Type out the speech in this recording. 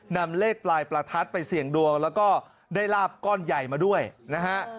นำเลขปลายประทัดไปเสี่ยงดวงแล้วก็ได้ลาบก้อนใหญ่มาด้วยนะฮะ